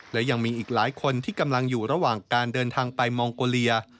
และยังมีอีกหลายคนที่กำลังอยู่ระหว่างการเดินทางไปมองโกเลีย